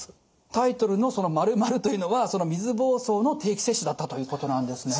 タイトルの○○というのは水ぼうそうの定期接種だったということなんですね。